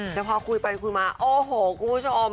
แต่พอคุยไปคุยมาโอ้โหคุณผู้ชม